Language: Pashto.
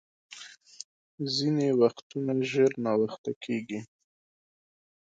ځیني وختونه ژر ناوخته کېږي .